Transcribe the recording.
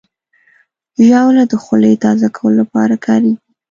ژاوله د خولې تازه کولو لپاره کارېږي.